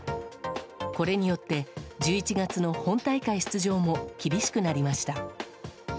これによって１１月の本大会出場も厳しくなりました。